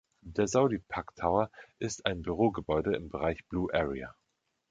Der Saudi Pak Tower ist ein Bürogebäude im Bereich Blue Area.